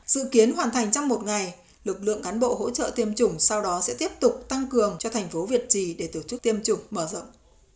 dự kiến hoàn thành trong một ngày lực lượng cán bộ hỗ trợ tiêm chủng sau đó sẽ tiếp tục tăng cường cho thành phố việt trì để tổ chức tiêm chủng mở rộng